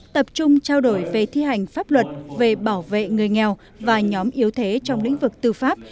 tập trung trao đổi về thi hành pháp luật về bảo vệ người nghèo và nhóm yếu thế trong lĩnh vực tư pháp